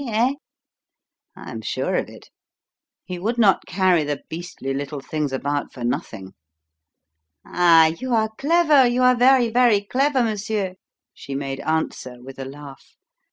Eh?" "I am sure of it. He would not carry the beastly little things about for nothing." "Ah, you are clever you are very, very clever, monsieur," she made answer, with a laugh.